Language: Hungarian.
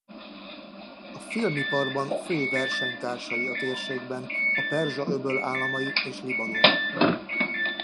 A filmiparban fő versenytársai a térségben a Perzsa-öböl államai és Libanon.